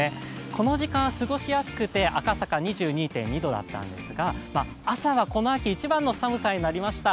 この時間、過ごしやすくて、赤坂２２．２度だったんですが、朝はこの秋一番の寒さになりました。